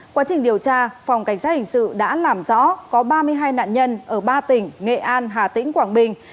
quá trình điều tra phòng cảnh sát hình sự đã làm rõ có ba mươi hai nạn nhân ở ba tỉnh nghệ an hà tĩnh quảng bình